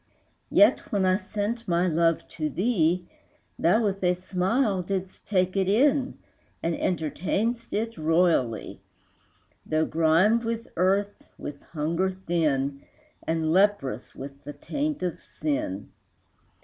Yet, when I sent my love to thee, Thou with a smile didst take it in, And entertain'dst it royally, Though grimed with earth, with hunger thin, And leprous with the taint of sin.